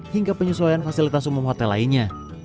hingga penyesuaian fasilitas umum hotel lainnya